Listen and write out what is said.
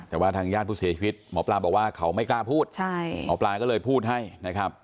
แต่ว่าทางญาติผู้เสียชีวิตหมอปลาบอกว่าเขาไม่กล้าพูดใช่หมอปลาก็เลยพูดให้นะครับ